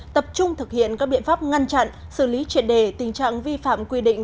tập trung thực hiện các biện pháp ngăn chặn xử lý triệt đề tình trạng vi phạm quy định